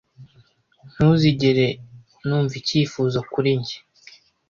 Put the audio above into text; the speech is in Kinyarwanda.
ntuzigere numva icyifuzo kuri njye